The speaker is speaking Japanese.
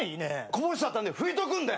こぼしちゃったんで拭いとくんで。